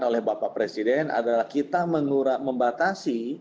oleh bapak presiden adalah kita membatasi